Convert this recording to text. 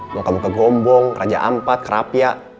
mau kamu ke gombong raja ampat kerapia